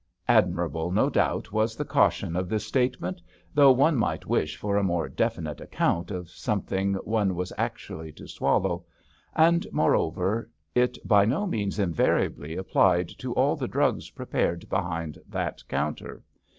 Admirable, no doubt, was the caution of this statement, though one might wish for a more definite account of something one was actually to swallow; and, moreover, it by no means invariably applied to all the drugs prepared behind that counter.